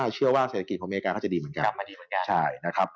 เชื่อว่าเศรษฐกิจของอเมริกาก็จะดีเหมือนกัน